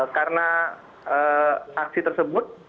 karena aksi tersebut